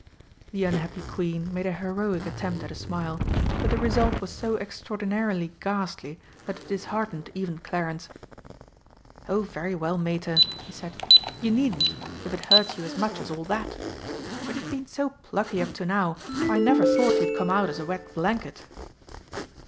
The unhappy Queen made a heroic attempt at a smile, but the result was so extraordinarily ghastly that it disheartened even Clarence. "Oh, very well, Mater," he said, "you needn't if it hurts you as much as all that. But you've been so plucky up to now, I never thought you'd come out as a wet blanket!"